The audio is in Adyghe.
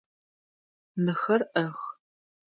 Мыхэр ӏэх.